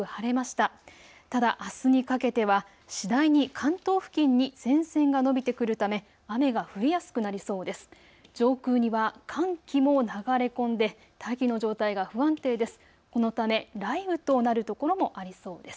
ただ、あすにかけては次第に関東付近に前線が延びてくるため雨が降りやすくなりそうです。